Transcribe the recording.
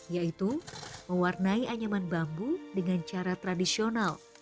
yaitu mewarnai anyaman bambu dengan cara tradisional